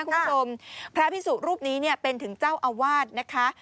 คุณผู้ชมพระพิสุรูปนี้เนี่ยเป็นถึงเจ้าอาวาสนะคะ